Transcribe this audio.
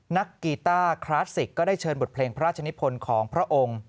กีต้าคลาสสิกก็ได้เชิญบทเพลงพระราชนิพลของพระองค์